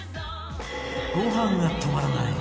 ご飯が止まらない！